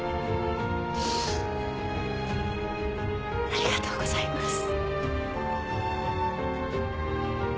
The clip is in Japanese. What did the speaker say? ありがとうございます。